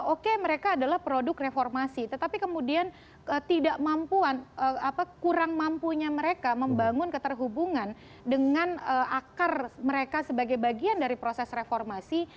oke mereka adalah produk reformasi tetapi kemudian ketidakmampuan kurang mampunya mereka membangun keterhubungan dengan akar mereka sebagai bagian dari proses reformasi